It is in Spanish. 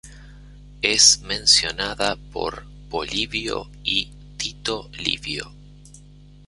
Es mencionada por Polibio y Tito Livio.